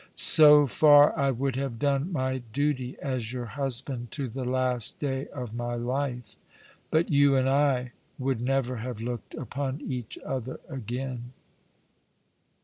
So far, I would have done my duty as your husband to the last day of my life; but you and I would never have looked upon each other again."